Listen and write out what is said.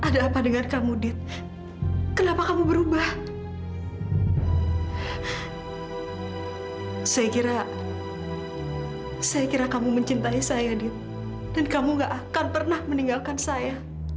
dan kamu gak akan pernah meninggalkan saya